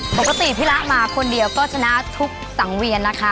ปกติพี่ระมาคนเดียวก็ชนะทุกสังเวียนนะคะ